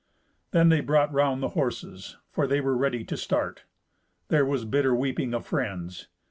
Then they brought round the horses, for they were ready to start. There was bitter weeping of friends.